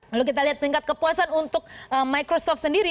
lalu kita lihat tingkat kepuasan untuk microsoft sendiri